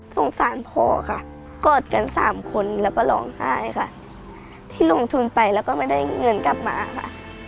สงสารพ่อค่ะกอดกันสามคนแล้วก็ร้องไห้ค่ะที่ลงทุนไปแล้วก็ไม่ได้เงินกลับมาค่ะ